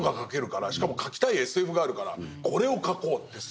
からしかも描きたいＳＦがあるからこれを描こうってする。